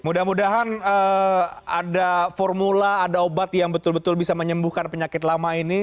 mudah mudahan ada formula ada obat yang betul betul bisa menyembuhkan penyakit lama ini